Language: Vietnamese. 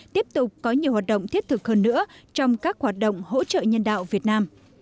tiếp tục có nhiều hoạt động thiết thực hơn nữa trong các hoạt động hỗ trợ nhân đạo việt nam